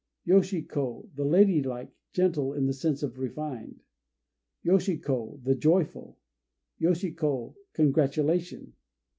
Yoshi ko "The Lady like," gentle in the sense of refined. Yoshi ko "The Joyful." Yoshi ko "Congratulation."